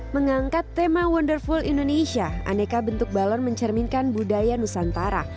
mengangkat tema wonderful indonesia aneka bentuk balon mencerminkan budaya nusantara